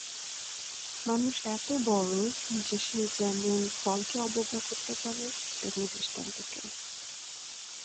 মানুষ এত বড়ো যে সে যেমন ফলকে অবজ্ঞা করতে পারে তেমনি দৃষ্টান্তকেও।